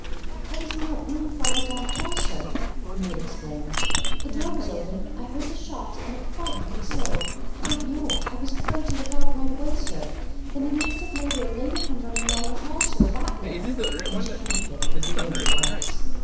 "I was in that room, farther down the hall, sir," the maid explained. "The door was open. I heard the shot, and it frightened me so I don't know I was afraid to look out right away, sir. Then, an instant later, a lady come running along the hall, sir that way," and she indicated the rear of the house.